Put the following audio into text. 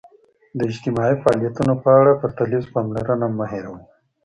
د اجتماعي فعالیتونو په اړه پرتلیزه پاملرنه مه هېروئ.